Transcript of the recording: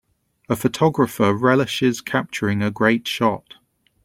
A photographer relishes capturing a great shot.